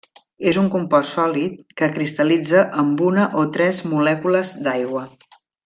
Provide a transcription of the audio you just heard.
És un compost sòlid que cristal·litza amb una o tres molècules d'aigua.